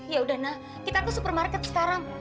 ya udah ma kita ke supermarket sekarang